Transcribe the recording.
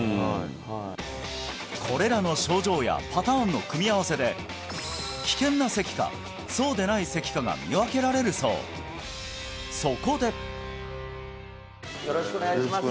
これらの症状やパターンの組み合わせで危険な咳かそうでない咳かが見分けられるそうそこでよろしくお願いします